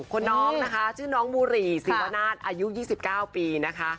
คนน้องนะคะชื่อน้องบุหรี่ศิวนาศอายุ๒๙ปีนะคะ